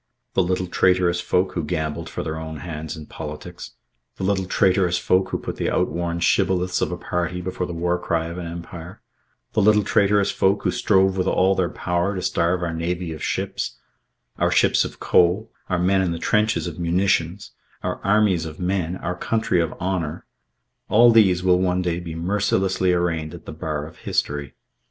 The little traitorous folk who gambled for their own hands in politics, the little traitorous folk who put the outworn shibboleths of a party before the war cry of an Empire, the little traitorous folk who strove with all their power to starve our navy of ships, our ships of coal, our men in the trenches of munitions, our armies of men, our country of honour all these will one day be mercilessly arraigned at the bar of history.